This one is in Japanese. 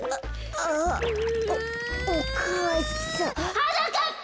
・はなかっぱ！